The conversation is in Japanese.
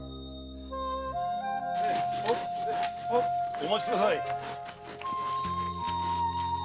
お待ちください！